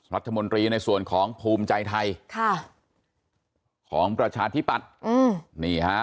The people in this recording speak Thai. รัฐมนตรีในส่วนของภูมิใจไทยค่ะของประชาธิปัตย์นี่ฮะ